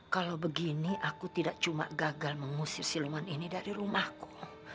kalau begini aku tidak cuma gagal mengusir siluman ini dari rumahku